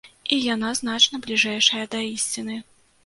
І яна значна бліжэйшая да ісціны.